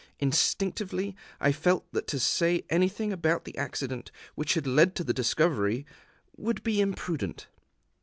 Instinctively I felt that to say anything about the accident, which had led to the discovery, would be imprudent.